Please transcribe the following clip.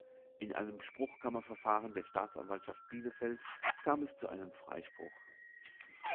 In einem Spruchkammerverfahren der Staatsanwaltschaft Bielefeld kam es zu einem Freispruch.